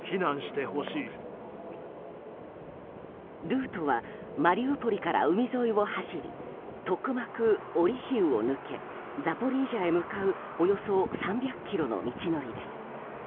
ルートはマリウポリから海沿いを走りトクマク、オリヒウを抜けザポリージャへ向かうおよそ３００ｋｍの道のりです。